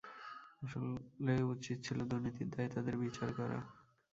আসলে উচিত ছিল দুর্নীতির দায়ে তাঁদের বিচার করা।